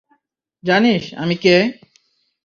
জানিস, আমি কে?